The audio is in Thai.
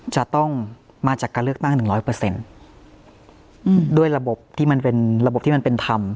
จะต้องมาจากการเลือกตั้ง๑๐๐ด้วยระบบที่มันเป็นระบบที่มันเป็นธรรม